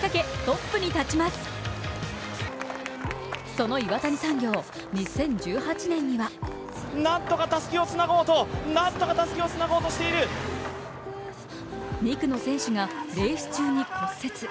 その岩谷産業、２０１８年には２区の選手がレース中に骨折。